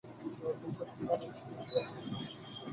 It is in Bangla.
রাত দশটার দিকে জ্বর অনেক কম ছিল।